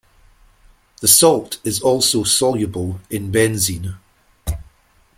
The salt is also soluble in benzene.